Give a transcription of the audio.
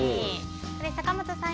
坂本さん